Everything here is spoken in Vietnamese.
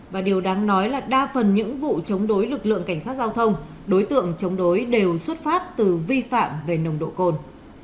và điều đáng nói là đa phần những vụ chống đối lực lượng cảnh sát giao thông đối tượng chống đối đều xuất phát từ vi phạm về nồng độ cồn